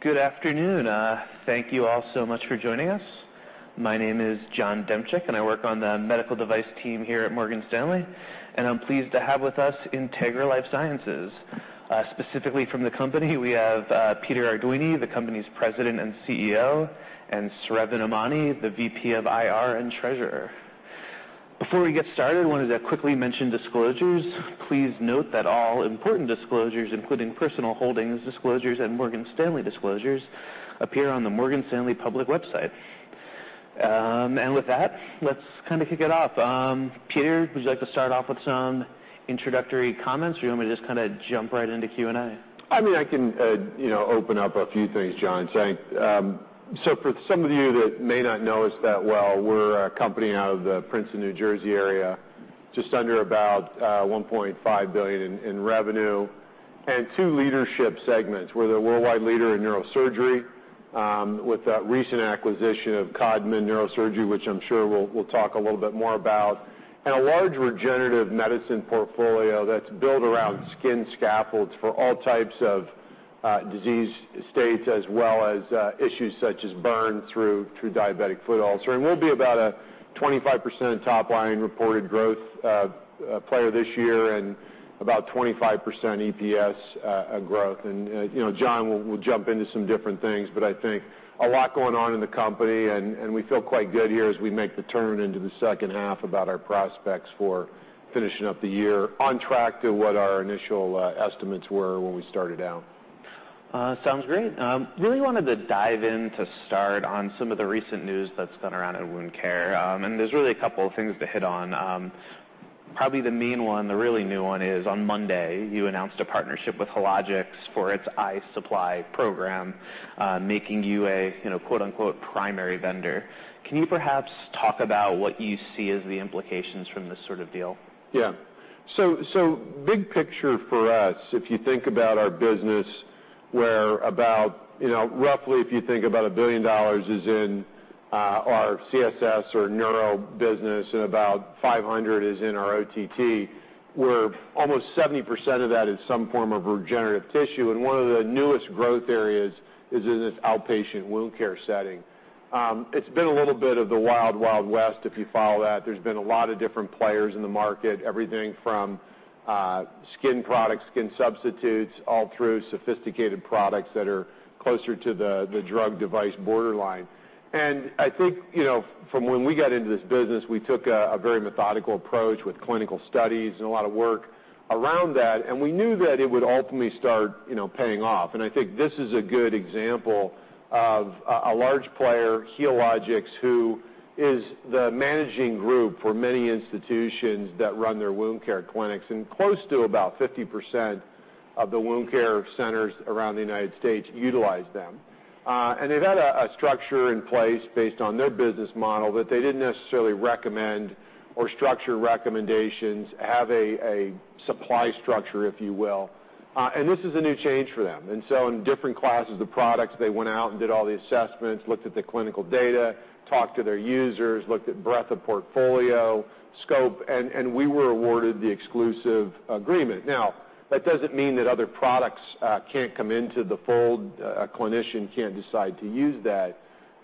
Good afternoon. Thank you all so much for joining us. My name is Jon Dembchuk, and I work on the medical device team here at Morgan Stanley, and I'm pleased to have with us Integra LifeSciences. Specifically from the company, we have Peter Ardoini, the company's President and CEO, and Sravan Emany, the VP of IR and treasurer. Before we get started, I wanted to quickly mention disclosures. Please note that all important disclosures, including personal holdings disclosures and Morgan Stanley disclosures, appear on the Morgan Stanley public website, and with that, let's kind of kick it off. Peter, would you like to start off with some introductory comments, or do you want me to just kind of jump right into Q&A? I mean, I can open up a few things, John, so for some of you that may not know us that well, we're a company out of the Princeton, New Jersey area, just under about $1.5 billion in revenue, and two leadership segments. We're the worldwide leader in neurosurgery, with a recent acquisition of Codman Neurosurgery, which I'm sure we'll talk a little bit more about, and a large regenerative medicine portfolio that's built around skin scaffolds for all types of disease states, as well as issues such as burn through diabetic foot ulcer, and we'll be about a 25% top-line reported growth player this year and about 25% EPS growth, and John will jump into some different things, but I think a lot going on in the company. We feel quite good here as we make the turn into the second half about our prospects for finishing up the year on track to what our initial estimates were when we started out. Sounds great. Really wanted to dive in to start on some of the recent news that's gone around in wound care and there's really a couple of things to hit on. Probably the main one, the really new one, is on Monday, you announced a partnership with Healogics for its iSupply program, making you a "primary vendor." Can you perhaps talk about what you see as the implications from this sort of deal? Yeah. So big picture for us, if you think about our business, where about roughly, if you think about $1 billion is in our CSS or neuro business and about $500 million is in our OTT, where almost 70% of that is some form of regenerative tissue. And one of the newest growth areas is in this outpatient wound care setting. It's been a little bit of the wild, wild west if you follow that. There's been a lot of different players in the market, everything from skin products, skin substitutes, all through sophisticated products that are closer to the drug device borderline. And I think from when we got into this business, we took a very methodical approach with clinical studies and a lot of work around that. And we knew that it would ultimately start paying off. I think this is a good example of a large player, Healogics, who is the managing group for many institutions that run their wound care clinics. Close to about 50% of the wound care centers around the United States utilize them. They've had a structure in place based on their business model that they didn't necessarily recommend or structure recommendations, have a supply structure, if you will. In different classes of products, they went out and did all the assessments, looked at the clinical data, talked to their users, looked at breadth of portfolio, scope. We were awarded the exclusive agreement. Now, that doesn't mean that other products can't come into the fold. A clinician can't decide to use that.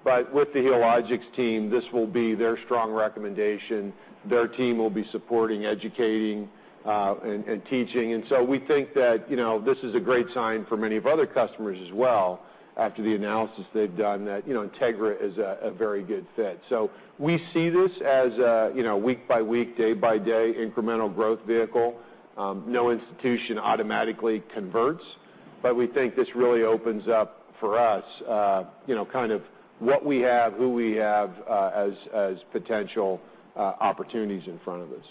But with the Healogics team, this will be their strong recommendation. Their team will be supporting, educating, and teaching, and so we think that this is a great sign for many of other customers as well, after the analysis they've done, that Integra is a very good fit, so we see this as a week-by-week, day-by-day incremental growth vehicle. No institution automatically converts, but we think this really opens up for us kind of what we have, who we have as potential opportunities in front of us.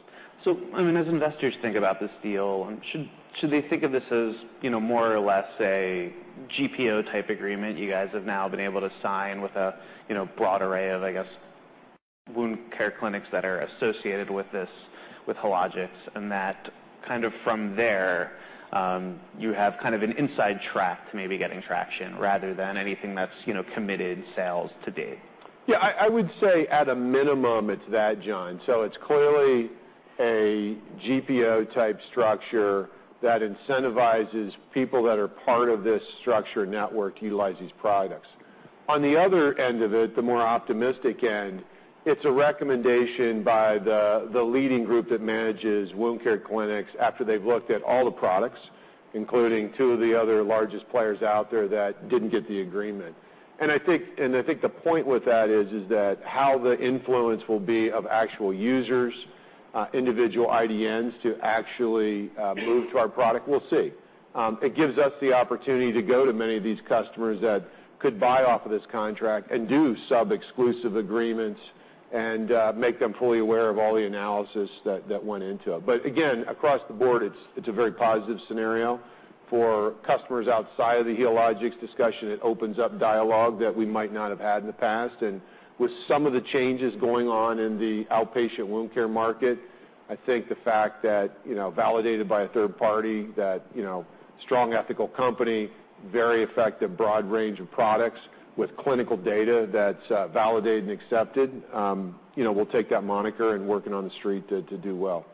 So I mean, as investors think about this deal, should they think of this as more or less a GPO-type agreement you guys have now been able to sign with a broad array of, I guess, wound care clinics that are associated with Healogics, and that kind of from there, you have kind of an inside track to maybe getting traction rather than anything that's committed sales to date? Yeah. I would say at a minimum, it's that, John. So it's clearly a GPO-type structure that incentivizes people that are part of this structure network to utilize these products. On the other end of it, the more optimistic end, it's a recommendation by the leading group that manages wound care clinics after they've looked at all the products, including two of the other largest players out there that didn't get the agreement. And I think the point with that is that how the influence will be of actual users, individual IDNs to actually move to our product, we'll see. It gives us the opportunity to go to many of these customers that could buy off of this contract and do sub-exclusive agreements and make them fully aware of all the analysis that went into it. But again, across the board, it's a very positive scenario. For customers outside of the Healogics discussion, it opens up dialogue that we might not have had in the past, and with some of the changes going on in the outpatient wound care market, I think the fact that validated by a third party, that strong ethical company, very effective broad range of products with clinical data that's validated and accepted, we'll take that moniker and word on the street to do well.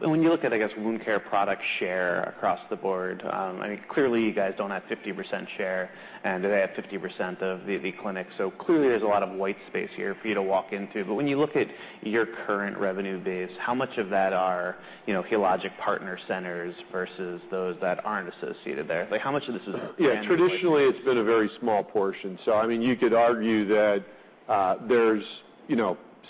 When you look at, I guess, wound care product share across the board, I mean, clearly you guys don't have 50% share, and they have 50% of the clinic. So clearly there's a lot of white space here for you to walk into. But when you look at your current revenue base, how much of that are Healogics partner centers versus those that aren't associated there? How much of this is? Yeah. Traditionally, it's been a very small portion. So I mean, you could argue that there's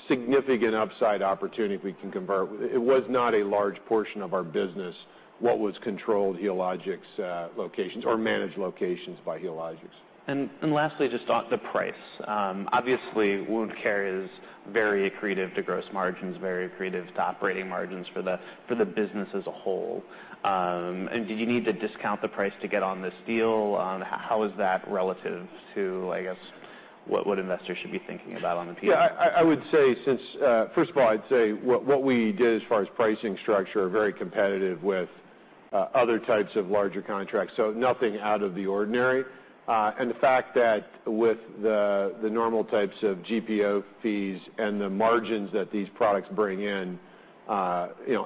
significant upside opportunity if we can convert. It was not a large portion of our business, what was controlled Healogics locations or managed locations by Healogics. And lastly, just the price. Obviously, wound care is very accretive to gross margins, very accretive to operating margins for the business as a whole. And did you need to discount the price to get on this deal? How is that relative to, I guess, what investors should be thinking about on the PO? Yeah. I would say, first of all, I'd say what we did as far as pricing structure are very competitive with other types of larger contracts. So nothing out of the ordinary. And the fact that with the normal types of GPO fees and the margins that these products bring in,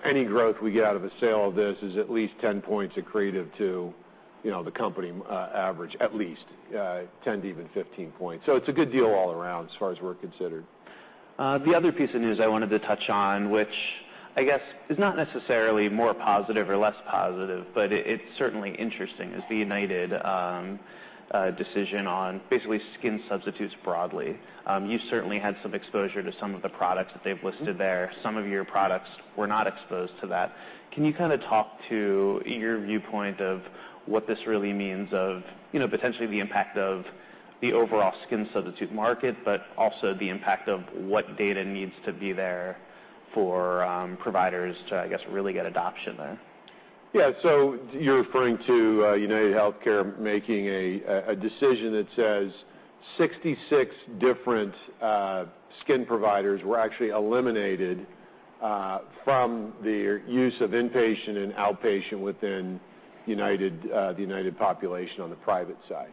any growth we get out of a sale of this is at least 10 points accretive to the company average, at least 10 to even 15 points. So it's a good deal all around as far as we're concerned. The other piece of news I wanted to touch on, which I guess is not necessarily more positive or less positive, but it's certainly interesting, is the UnitedHealthcare decision on basically skin substitutes broadly. You certainly had some exposure to some of the products that they've listed there. Some of your products were not exposed to that. Can you kind of talk to your viewpoint of what this really means of potentially the impact of the overall skin substitute market, but also the impact of what data needs to be there for providers to, I guess, really get adoption there? Yeah. So you're referring to UnitedHealthcare making a decision that says 66 different skin providers were actually eliminated from the use of inpatient and outpatient within the United population on the private side.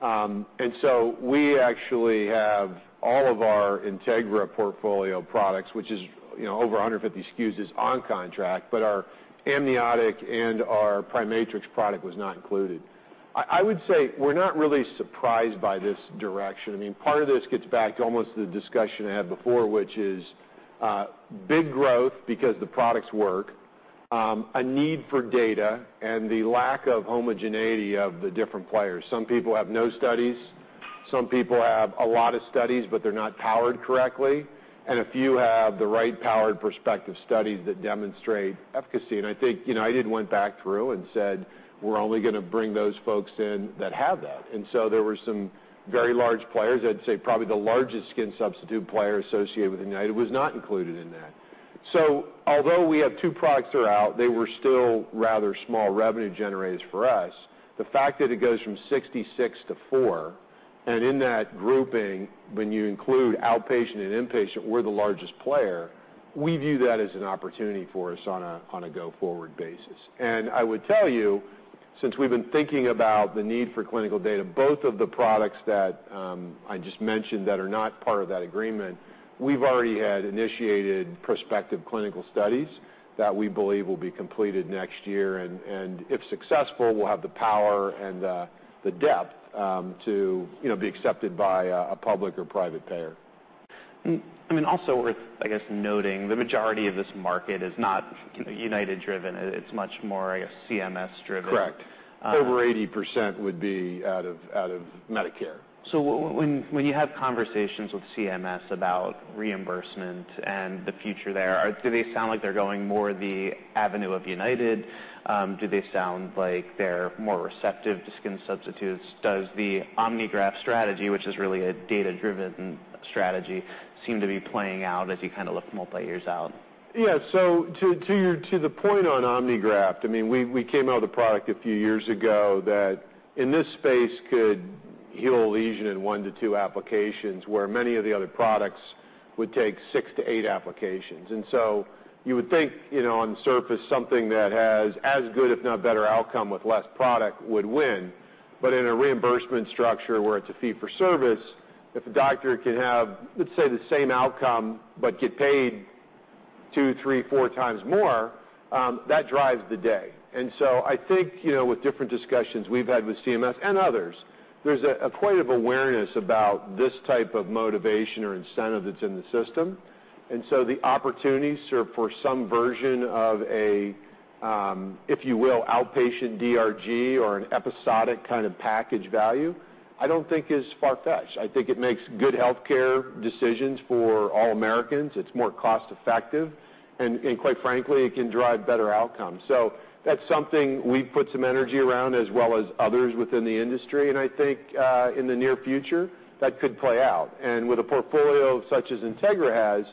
And so we actually have all of our Integra portfolio products, which is over 150 SKUs, is on contract, but our amniotic and our PriMatrix product was not included. I would say we're not really surprised by this direction. I mean, part of this gets back to almost the discussion I had before, which is big growth because the products work, a need for data, and the lack of homogeneity of the different players. Some people have no studies. Some people have a lot of studies, but they're not powered correctly. And a few have the right powered prospective studies that demonstrate efficacy. I think I did went back through and said, "We're only going to bring those folks in that have that." And so there were some very large players. I'd say probably the largest skin substitute player associated with UnitedHealthcare was not included in that. So although we have two products that are out, they were still rather small revenue generators for us. The fact that it goes from 66 to 4, and in that grouping, when you include outpatient and inpatient, we're the largest player, we view that as an opportunity for us on a go-forward basis. And I would tell you, since we've been thinking about the need for clinical data, both of the products that I just mentioned that are not part of that agreement, we've already had initiated prospective clinical studies that we believe will be completed next year. If successful, we'll have the power and the depth to be accepted by a public or private payer. I mean, also worth, I guess, noting, the majority of this market is not United-driven. It's much more, I guess, CMS-driven. Correct. Over 80% would be out of Medicare. So when you have conversations with CMS about reimbursement and the future there, do they sound like they're going more the avenue of United? Do they sound like they're more receptive to skin substitutes? Does the OmniGraft strategy, which is really a data-driven strategy, seem to be playing out as you kind of look multi-years out? Yeah, so to the point on OmniGraft, I mean, we came out with a product a few years ago that in this space could heal a lesion in one to two applications, where many of the other products would take six to eight applications, and so you would think on the surface, something that has as good, if not better outcome with less product would win, but in a reimbursement structure where it's a fee-for-service, if a doctor can have, let's say, the same outcome but get paid two, three, four times more, that drives the day, and so I think with different discussions we've had with CMS and others, there's quite an awareness about this type of motivation or incentive that's in the system. And so the opportunities for some version of a, if you will, outpatient DRG or an episodic kind of package value, I don't think is far-fetched. I think it makes good healthcare decisions for all Americans. It's more cost-effective. And quite frankly, it can drive better outcomes. So that's something we've put some energy around as well as others within the industry. And I think in the near future, that could play out. And with a portfolio such as Integra has,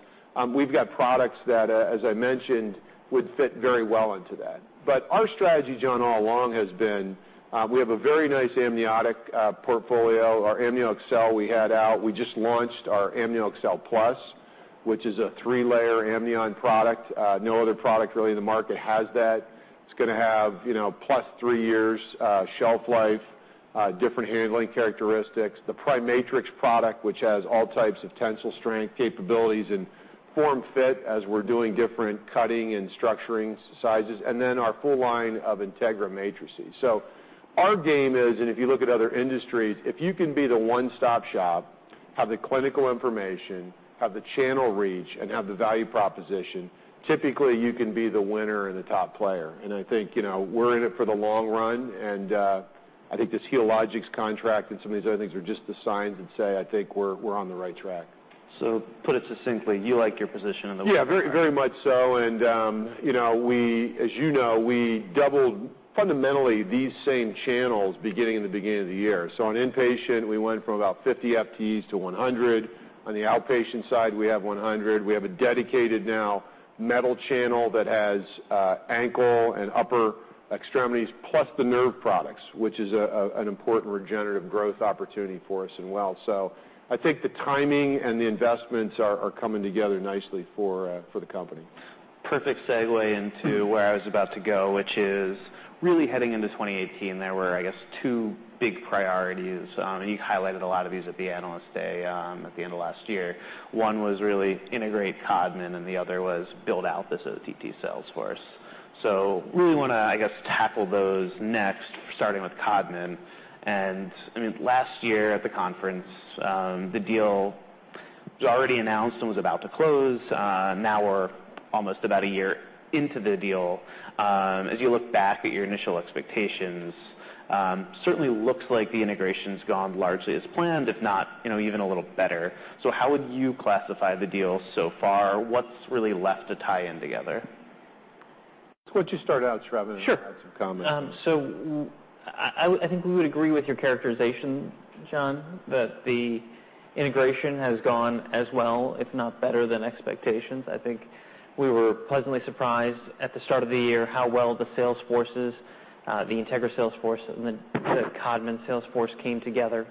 we've got products that, as I mentioned, would fit very well into that. But our strategy, John, all along has been we have a very nice amniotic portfolio. Our AmnioExcel we had out. We just launched our AmnioExcel Plus, which is a three-layer Amnion product. No other product really in the market has that. It's going to have plus three years shelf life, different handling characteristics, the PriMatrix product, which has all types of tensile strength capabilities and form fit as we're doing different cutting and structuring sizes, and then our full line of Integra matrices. So our game is, and if you look at other industries, if you can be the one-stop shop, have the clinical information, have the channel reach, and have the value proposition, typically you can be the winner and the top player. And I think we're in it for the long run. And I think this Healogics contract and some of these other things are just the signs that say I think we're on the right track. So put it succinctly, you like your position in the world. Yeah. Very much so, and as you know, we doubled fundamentally these same channels beginning in the beginning of the year. So on inpatient, we went from about 50 FTEs to 100. On the outpatient side, we have 100. We have a dedicated now metal channel that has ankle and upper extremities plus the nerve products, which is an important regenerative growth opportunity for us as well. So I think the timing and the investments are coming together nicely for the company. Perfect segue into where I was about to go, which is really heading into 2018, there were, I guess, two big priorities, and you highlighted a lot of these at the Analyst Day at the end of last year. One was really integrate Codman, and the other was build out this OTT sales force, so really want to, I guess, tackle those next, starting with Codman, and I mean, last year at the conference, the deal was already announced and was about to close. Now we're almost about a year into the deal. As you look back at your initial expectations, certainly looks like the integration has gone largely as planned, if not even a little better, so how would you classify the deal so far? What's really left to tie in together? It's what you started out, Stuart. I mean, I had some comments. Sure. So I think we would agree with your characterization, John, that the integration has gone as well, if not better than expectations. I think we were pleasantly surprised at the start of the year how well the sales forces, the Integra sales force, and the Codman sales force came together.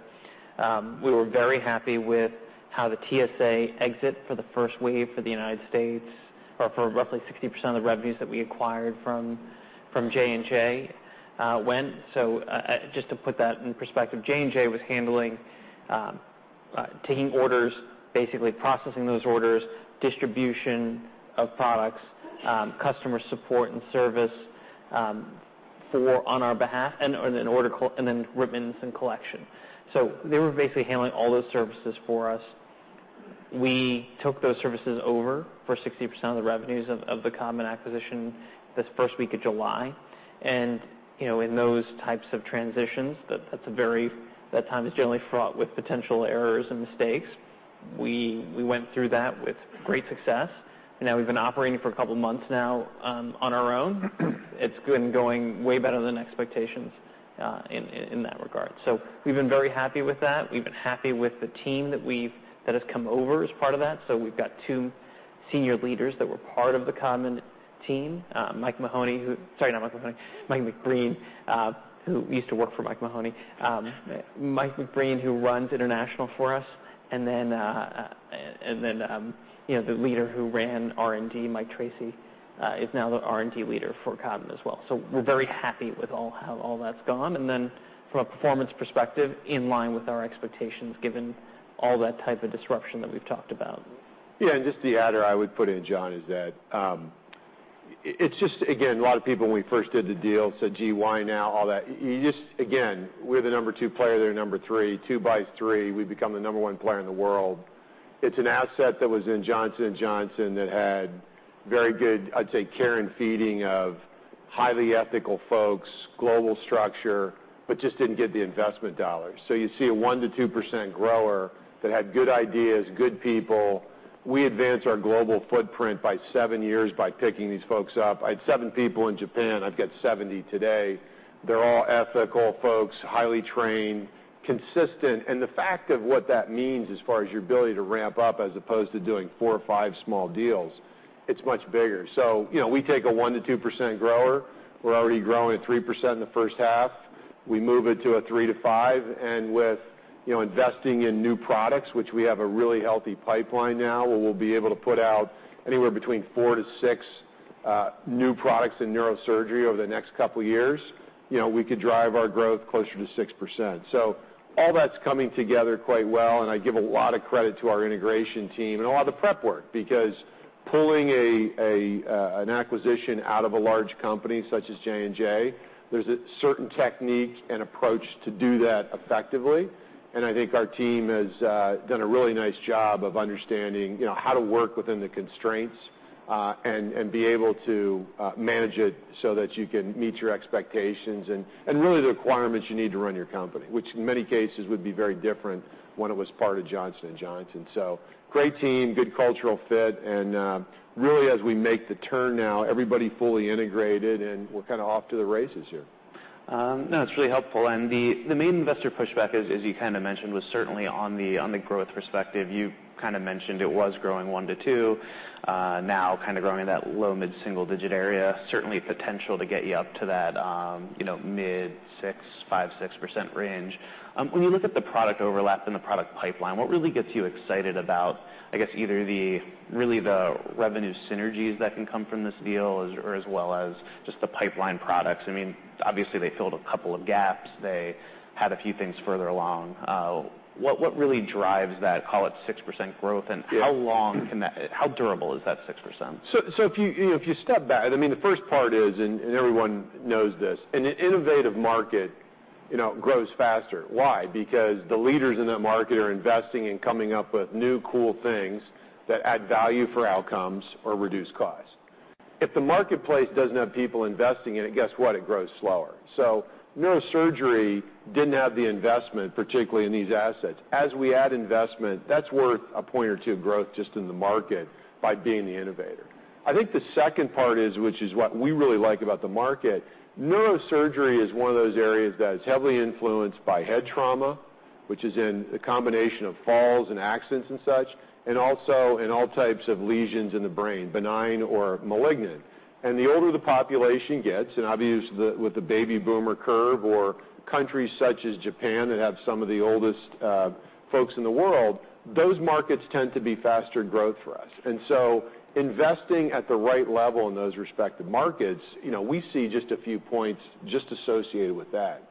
We were very happy with how the TSA exit for the first wave for the United States or for roughly 60% of the revenues that we acquired from J&J went. So just to put that in perspective, J&J was handling taking orders, basically processing those orders, distribution of products, customer support and service on our behalf, and then invoicing and collections. So they were basically handling all those services for us. We took those services over for 60% of the revenues of the Codman acquisition this first week of July. In those types of transitions, that time is generally fraught with potential errors and mistakes. We went through that with great success. Now we've been operating for a couple of months now on our own. It's been going way better than expectations in that regard. So we've been very happy with that. We've been happy with the team that has come over as part of that. So we've got two senior leaders that were part of the Codman team, Mike Mahoney, who, sorry, not Mike Mahoney, Mike McBreen, who used to work for Mike Mahoney. Mike McBreen, who runs international for us. And then the leader who ran R&D, Mike Tracy, is now the R&D leader for Codman as well. So we're very happy with how all that's gone. And then from a performance perspective, in line with our expectations given all that type of disruption that we've talked about. Yeah. And just the adder, I would put in, John, is that it's just, again, a lot of people when we first did the deal said, "Gee, why now?" All that. Again, we're the number two player. They're number three. Two buys three. We've become the number one player in the world. It's an asset that was in Johnson & Johnson that had very good, I'd say, care and feeding of highly ethical folks, global structure, but just didn't get the investment dollars. So you see a 1%-2% grower that had good ideas, good people. We advanced our global footprint by seven years by picking these folks up. I had seven people in Japan. I've got 70 today. They're all ethical folks, highly trained, consistent. And the fact of what that means as far as your ability to ramp up as opposed to doing four or five small deals, it's much bigger. So we take a 1%-2% grower. We're already growing at 3% in the first half. We move it to a 3%-5%. And with investing in new products, which we have a really healthy pipeline now, where we'll be able to put out anywhere between four to six new products in neurosurgery over the next couple of years, we could drive our growth closer to 6%. So all that's coming together quite well. And I give a lot of credit to our integration team and a lot of the prep work because pulling an acquisition out of a large company such as J&J, there's a certain technique and approach to do that effectively. And I think our team has done a really nice job of understanding how to work within the constraints and be able to manage it so that you can meet your expectations and really the requirements you need to run your company, which in many cases would be very different when it was part of Johnson & Johnson. So great team, good cultural fit. And really, as we make the turn now, everybody fully integrated, and we're kind of off to the races here. No, it's really helpful, and the main investor pushback, as you kind of mentioned, was certainly on the growth perspective. You kind of mentioned it was growing one to two, now kind of growing in that low mid-single digit area. Certainly potential to get you up to that mid-6%, 5%, 6% range. When you look at the product overlap and the product pipeline, what really gets you excited about, I guess, either really the revenue synergies that can come from this deal or as well as just the pipeline products? I mean, obviously, they filled a couple of gaps. They had a few things further along. What really drives that, call it 6% growth? And how long can that, how durable is that 6%? So if you step back, I mean, the first part is, and everyone knows this, an innovative market grows faster. Why? Because the leaders in that market are investing and coming up with new cool things that add value for outcomes or reduce costs. If the marketplace doesn't have people investing in it, guess what? It grows slower. So neurosurgery didn't have the investment, particularly in these assets. As we add investment, that's worth a point or two of growth just in the market by being the innovator. I think the second part is, which is what we really like about the market, neurosurgery is one of those areas that is heavily influenced by head trauma, which is in the combination of falls and accidents and such, and also in all types of lesions in the brain, benign or malignant. The older the population gets, and obviously with the baby boomer curve or countries such as Japan that have some of the oldest folks in the world, those markets tend to be faster growth for us. Investing at the right level in those respective markets, we see just a few points just associated with that.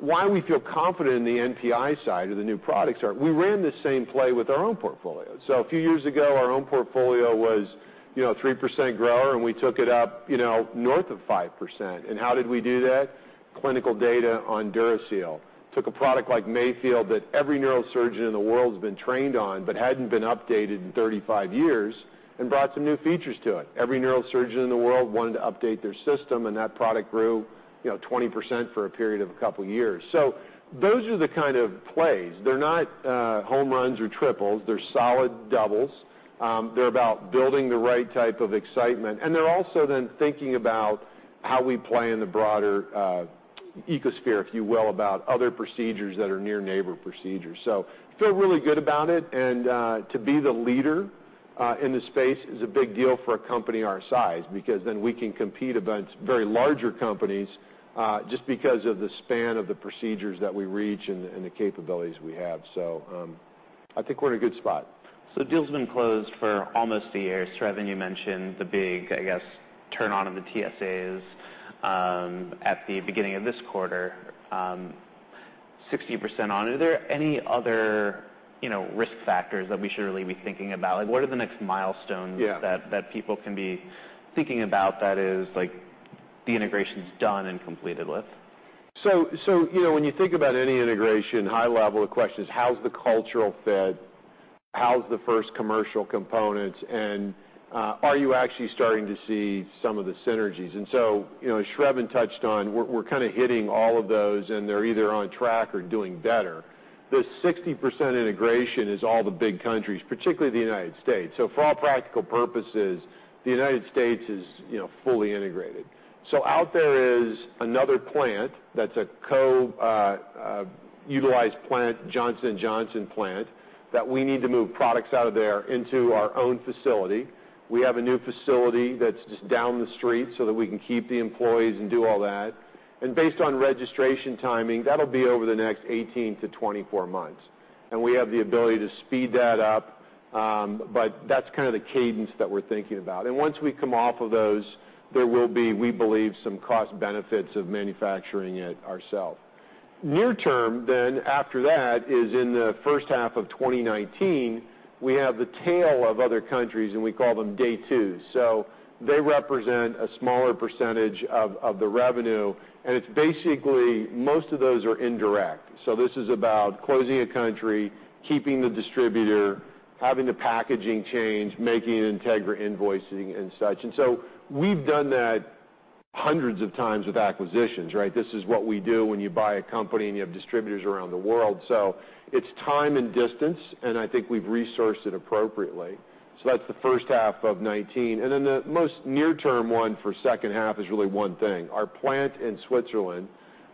Why we feel confident in the NPI side of the new products are we ran the same play with our own portfolio. A few years ago, our own portfolio was a 3% grower, and we took it up north of 5%. How did we do that? Clinical data on DuraSeal. Took a product like Mayfield that every neurosurgeon in the world has been trained on but hadn't been updated in 35 years and brought some new features to it. Every neurosurgeon in the world wanted to update their system, and that product grew 20% for a period of a couple of years. So those are the kind of plays. They're not home runs or triples. They're solid doubles. They're about building the right type of excitement. And they're also then thinking about how we play in the broader ecosystem, if you will, about other procedures that are near neighbor procedures. So I feel really good about it. And to be the leader in the space is a big deal for a company our size because then we can compete against very larger companies just because of the span of the procedures that we reach and the capabilities we have. So I think we're in a good spot. So the deal's been closed for almost a year. Stuart Essig, you mentioned the big, I guess, turn on of the TSAs at the beginning of this quarter, 60% on. Are there any other risk factors that we should really be thinking about? What are the next milestones that people can be thinking about, that is, the integration's done and completed with? So when you think about any integration, high level, the question is, how's the cultural fit? How's the first commercial components? And are you actually starting to see some of the synergies? And so as Stuart Essig touched on, we're kind of hitting all of those, and they're either on track or doing better. The 60% integration is all the big countries, particularly the United States. So for all practical purposes, the United States is fully integrated. So out there is another plant that's a co-utilized plant, Johnson & Johnson plant, that we need to move products out of there into our own facility. We have a new facility that's just down the street so that we can keep the employees and do all that. And based on registration timing, that'll be over the next 18-24 months. And we have the ability to speed that up, but that's kind of the cadence that we're thinking about. And once we come off of those, there will be, we believe, some cost benefits of manufacturing it ourself. Near term then, after that, is in the first half of 2019, we have the tail of other countries, and we call them day two. So they represent a smaller percentage of the revenue. And it's basically most of those are indirect. So this is about closing a country, keeping the distributor, having the packaging change, making Integra invoicing and such. And so we've done that hundreds of times with acquisitions, right? This is what we do when you buy a company and you have distributors around the world. So it's time and distance, and I think we've resourced it appropriately. So that's the first half of 2019. And then the most near-term one for second half is really one thing. Our plant in Switzerland,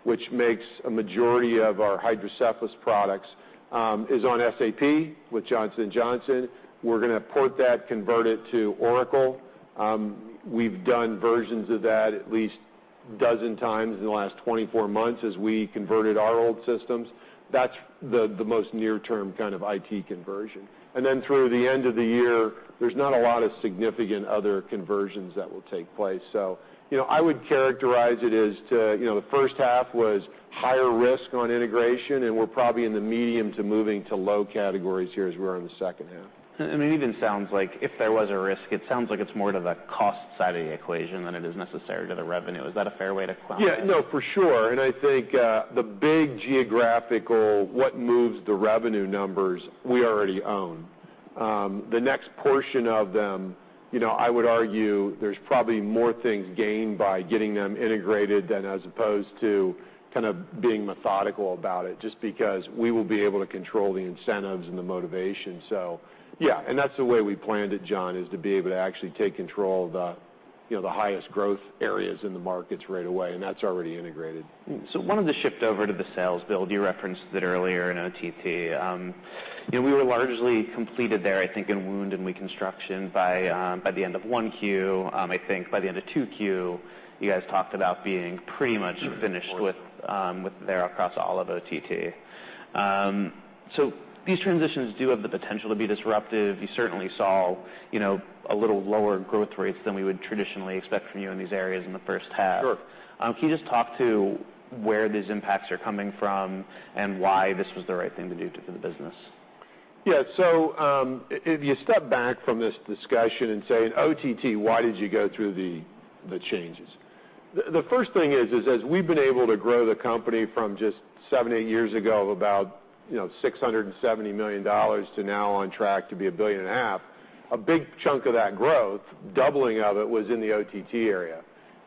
which makes a majority of our hydrocephalus products, is on SAP with Johnson & Johnson. We're going to port that, convert it to Oracle. We've done versions of that at least dozen times in the last 24 months as we converted our old systems. That's the most near-term kind of IT conversion. And then through the end of the year, there's not a lot of significant other conversions that will take place. So I would characterize it as the first half was higher risk on integration, and we're probably in the medium to moving to low categories here as we're in the second half. I mean, it even sounds like if there was a risk, it sounds like it's more to the cost side of the equation than it is necessary to the revenue. Is that a fair way to quantify? Yeah. No, for sure. And I think the big geographical what moves the revenue numbers, we already own. The next portion of them, I would argue there's probably more things gained by getting them integrated than as opposed to kind of being methodical about it just because we will be able to control the incentives and the motivation. So yeah. And that's the way we planned it, John, is to be able to actually take control of the highest growth areas in the markets right away. And that's already integrated. Wanted to shift over to the sales build. You referenced it earlier in OTT. We were largely completed there, I think, in wound and reconstruction by the end of Q1. I think by the end of Q2, you guys talked about being pretty much finished with there across all of OTT. So these transitions do have the potential to be disruptive. You certainly saw a little lower growth rates than we would traditionally expect from you in these areas in the first half. Can you just talk to where these impacts are coming from and why this was the right thing to do for the business? Yeah. So if you step back from this discussion and say, "In OTT, why did you go through the changes?" The first thing is, as we've been able to grow the company from just seven, eight years ago of about $670 million to now on track to be $1.5 billion, a big chunk of that growth, doubling of it, was in the OTT area.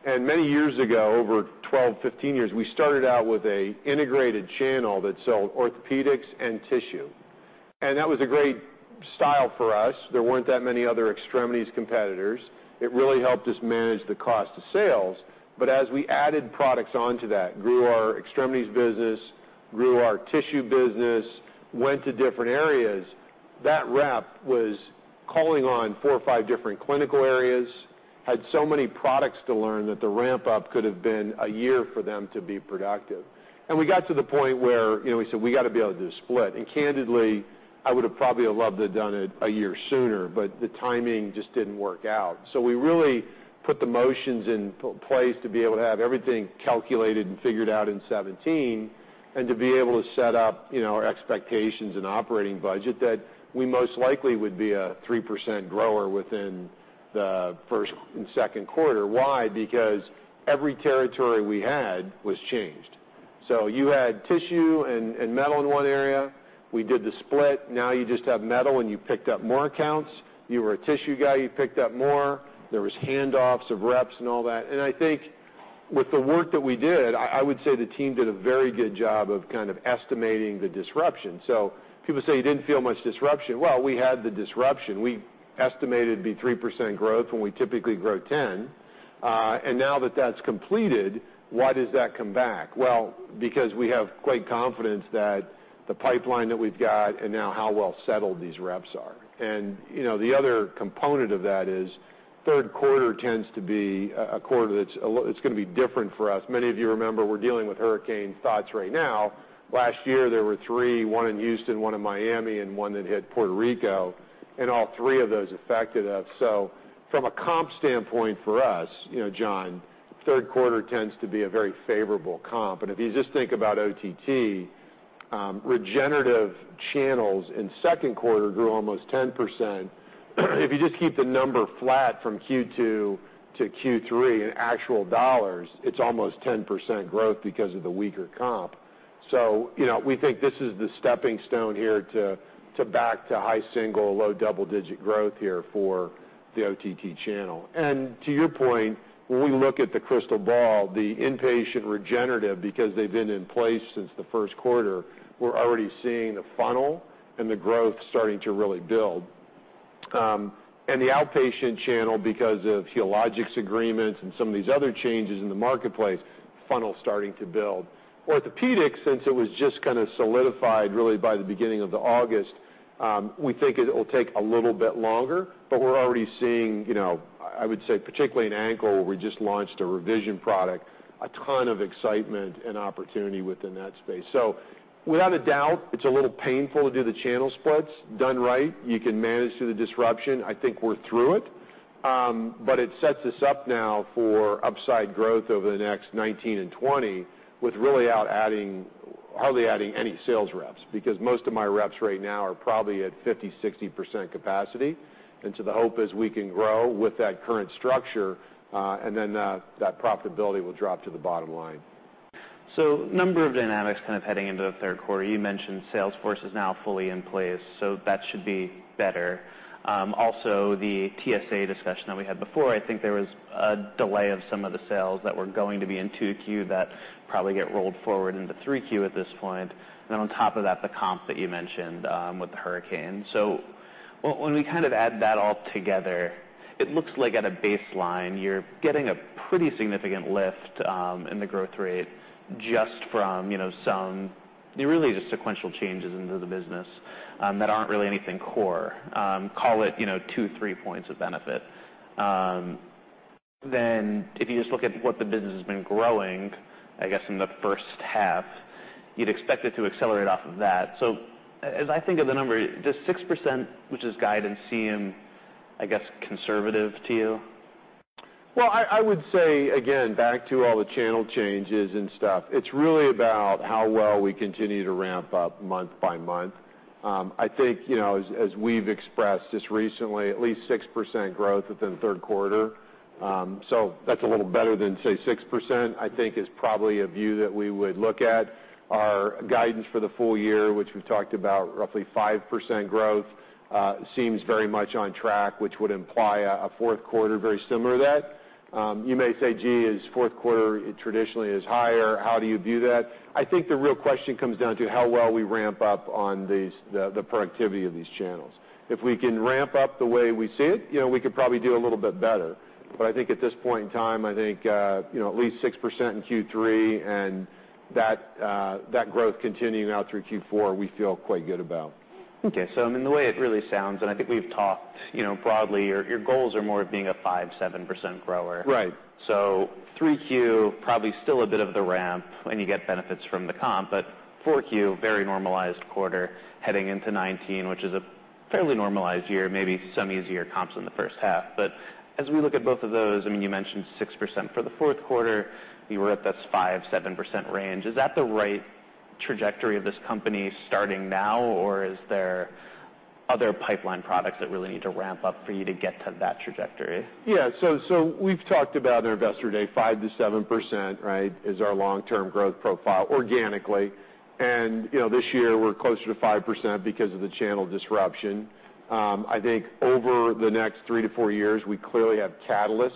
And many years ago, over 12, 15 years, we started out with an integrated channel that sold orthopedics and tissue. And that was a great style for us. There weren't that many other extremities competitors. It really helped us manage the cost of sales. As we added products onto that, grew our extremities business, grew our tissue business, went to different areas, that rep was calling on four or five different clinical areas, had so many products to learn that the ramp-up could have been a year for them to be productive. We got to the point where we said, "We got to be able to do a split." Candidly, I would have probably loved to have done it a year sooner, but the timing just didn't work out. We really put the motions in place to be able to have everything calculated and figured out in 2017 and to be able to set up our expectations and operating budget that we most likely would be a 3% grower within the first and second quarter. Why? Because every territory we had was changed. So you had tissue and metal in one area. We did the split. Now you just have metal and you picked up more accounts. You were a tissue guy, you picked up more. There were handoffs of reps and all that. And I think with the work that we did, I would say the team did a very good job of kind of estimating the disruption. So people say, "You didn't feel much disruption." Well, we had the disruption. We estimated it'd be 3% growth when we typically grow 10%. And now that that's completed, why does that come back? Well, because we have great confidence that the pipeline that we've got and now how well settled these reps are. And the other component of that is third quarter tends to be a quarter that's going to be different for us. Many of you remember we're dealing with hurricane thoughts right now. Last year, there were three, one in Houston, one in Miami, and one that hit Puerto Rico, and all three of those affected us, so from a comp standpoint for us, John, third quarter tends to be a very favorable comp, and if you just think about OTT, regenerative channels in second quarter grew almost 10%. If you just keep the number flat from Q2 to Q3 in actual dollars, it's almost 10% growth because of the weaker comp, so we think this is the stepping stone here to back to high single, low double-digit growth here for the OTT channel, and to your point, when we look at the crystal ball, the inpatient regenerative, because they've been in place since the first quarter, we're already seeing the funnel and the growth starting to really build. And the outpatient channel, because of Healogics agreements and some of these other changes in the marketplace, funnel starting to build. Orthopedics, since it was just kind of solidified really by the beginning of August, we think it will take a little bit longer, but we're already seeing, I would say, particularly in ankle, where we just launched a revision product, a ton of excitement and opportunity within that space. So without a doubt, it's a little painful to do the channel splits. Done right, you can manage through the disruption. I think we're through it. But it sets us up now for upside growth over the next 2019 and 2020 with really hardly adding any sales reps because most of my reps right now are probably at 50%-60% capacity. And so the hope is we can grow with that current structure, and then that profitability will drop to the bottom line. So a number of dynamics kind of heading into the third quarter. You mentioned Salesforce is now fully in place, so that should be better. Also, the TSA discussion that we had before, I think there was a delay of some of the sales that were going to be in Q2 that probably get rolled forward into Q3 at this point. And then on top of that, the comp that you mentioned with the hurricane. So when we kind of add that all together, it looks like at a baseline, you're getting a pretty significant lift in the growth rate just from some really just sequential changes into the business that aren't really anything core. Call it two, three points of benefit. Then if you just look at what the business has been growing, I guess in the first half, you'd expect it to accelerate off of that. As I think of the number, does 6%, which is guidance, seem, I guess, conservative to you? I would say, again, back to all the channel changes and stuff, it's really about how well we continue to ramp up month by month. I think as we've expressed just recently, at least 6% growth within the third quarter. So that's a little better than, say, 6%. I think is probably a view that we would look at. Our guidance for the full year, which we've talked about, roughly 5% growth seems very much on track, which would imply a fourth quarter very similar to that. You may say, "Gee, is fourth quarter traditionally higher? How do you view that?" I think the real question comes down to how well we ramp up on the productivity of these channels. If we can ramp up the way we see it, we could probably do a little bit better. But I think at this point in time, I think at least 6% in Q3 and that growth continuing out through Q4, we feel quite good about. Okay. So I mean, the way it really sounds, and I think we've talked broadly, your goals are more of being a 5%-7% grower. So Q3, probably still a bit of the ramp when you get benefits from the comp, but Q4, very normalized quarter heading into 2019, which is a fairly normalized year, maybe some easier comps in the first half. But as we look at both of those, I mean, you mentioned 6% for the fourth quarter, you were at this 5%-7% range. Is that the right trajectory of this company starting now, or is there other pipeline products that really need to ramp up for you to get to that trajectory? Yeah. So we've talked about our investor day, 5%-7%, right, is our long-term growth profile organically. And this year, we're closer to 5% because of the channel disruption. I think over the next three to four years, we clearly have catalysts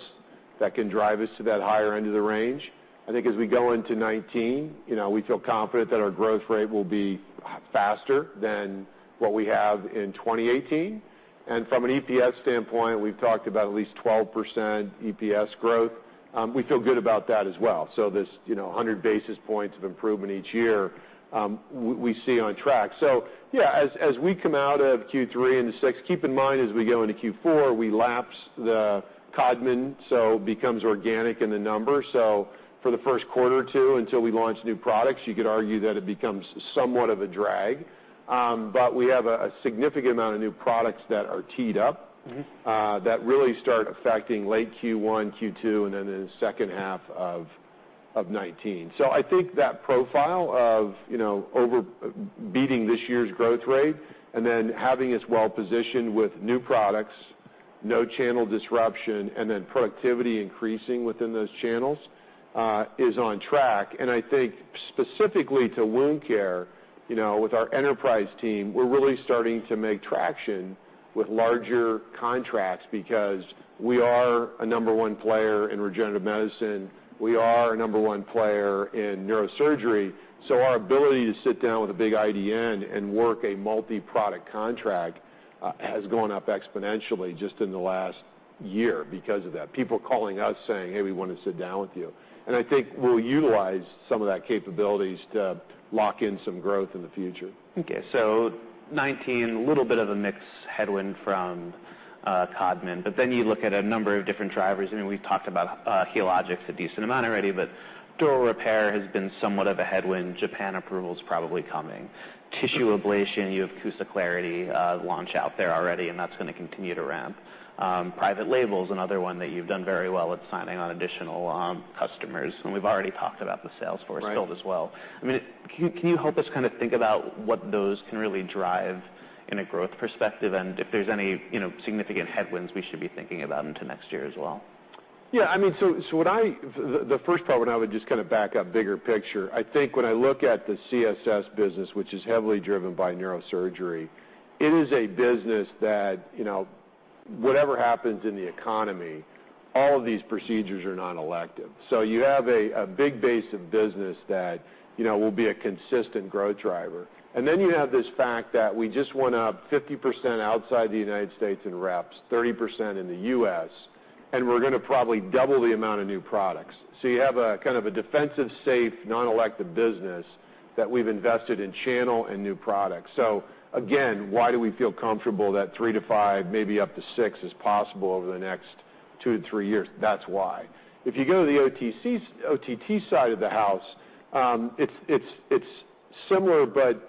that can drive us to that higher end of the range. I think as we go into 2019, we feel confident that our growth rate will be faster than what we have in 2018. And from an EPS standpoint, we've talked about at least 12% EPS growth. We feel good about that as well. So this 100 basis points of improvement each year we see on track. So yeah, as we come out of Q3 into 2019, keep in mind as we go into Q4, we lapse the Codman, so it becomes organic in the number. So for the first quarter or two, until we launch new products, you could argue that it becomes somewhat of a drag. But we have a significant amount of new products that are teed up that really start affecting late Q1, Q2, and then in the second half of 2019. So I think that profile of beating this year's growth rate and then having us well-positioned with new products, no channel disruption, and then productivity increasing within those channels is on track. And I think specifically to wound care, with our enterprise team, we're really starting to make traction with larger contracts because we are a number one player in regenerative medicine. We are a number one player in neurosurgery. So our ability to sit down with a big IDN and work a multi-product contract has gone up exponentially just in the last year because of that. People calling us saying, "Hey, we want to sit down with you." And I think we'll utilize some of that capabilities to lock in some growth in the future. Okay. So 2019, a little bit of a mixed headwind from Codman. But then you look at a number of different drivers. I mean, we've talked about Healogics a decent amount already, but Dural Repair has been somewhat of a headwind. Japan approval is probably coming. Tissue ablation, you have CUSA Clarity launch out there already, and that's going to continue to ramp. Private label is another one that you've done very well at signing on additional customers. And we've already talked about the Salesforce build as well. I mean, can you help us kind of think about what those can really drive in a growth perspective and if there's any significant headwinds we should be thinking about into next year as well? Yeah. I mean, so the first part, when I would just kind of back up bigger picture, I think when I look at the CSS business, which is heavily driven by neurosurgery, it is a business that whatever happens in the economy, all of these procedures are non-elective. So you have a big base of business that will be a consistent growth driver. And then you have this fact that we just want to have 50% outside the United States in reps, 30% in the US, and we're going to probably double the amount of new products. So you have a kind of a defensive, safe, non-elective business that we've invested in channel and new products. So again, why do we feel comfortable that three to five, maybe up to six is possible over the next two to three years? That's why. If you go to the OTT side of the house, it's similar but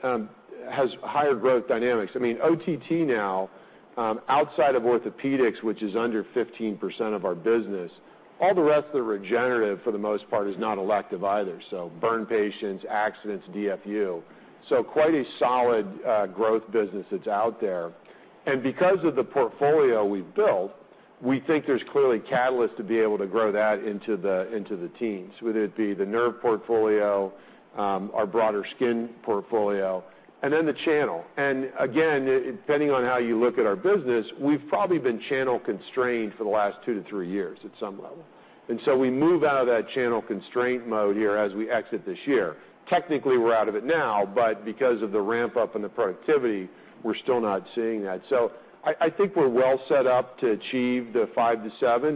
has higher growth dynamics. I mean, OTT now, outside of orthopedics, which is under 15% of our business, all the rest of the regenerative for the most part is not elective either. So burn patients, accidents, DFU. So quite a solid growth business that's out there. And because of the portfolio we've built, we think there's clearly catalysts to be able to grow that into the teens, whether it be the nerve portfolio, our broader skin portfolio, and then the channel. And again, depending on how you look at our business, we've probably been channel constrained for the last two to three years at some level. And so we move out of that channel constraint mode here as we exit this year. Technically, we're out of it now, but because of the ramp-up and the productivity, we're still not seeing that. So I think we're well set up to achieve the 5-7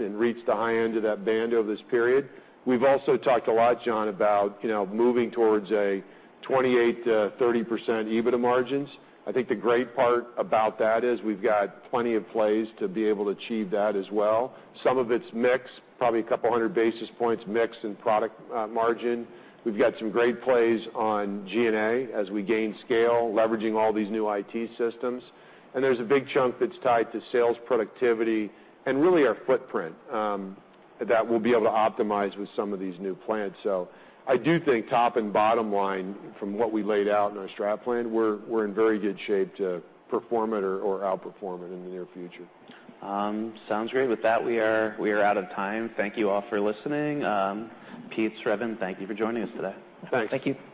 and reach the high end of that band over this period. We've also talked a lot, John, about moving towards a 28%-30% EBITDA margins. I think the great part about that is we've got plenty of plays to be able to achieve that as well. Some of it's mix, probably a couple hundred basis points mix in product margin. We've got some great plays on G&A as we gain scale, leveraging all these new IT systems. And there's a big chunk that's tied to sales productivity and really our footprint that we'll be able to optimize with some of these new plants. So, I do think top and bottom line from what we laid out in our strat plan, we're in very good shape to perform it or outperform it in the near future. Sounds great. With that, we are out of time. Thank you all for listening. Peter Arduini, thank you for joining us today. Thanks. Thank you.